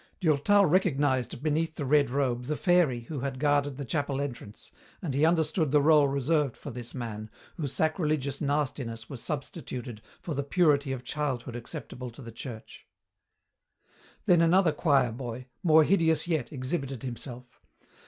Durtal recognized beneath the red robe the "fairy" who had guarded the chapel entrance, and he understood the rôle reserved for this man, whose sacrilegious nastiness was substituted for the purity of childhood acceptable to the Church. Then another choir boy, more hideous yet, exhibited himself.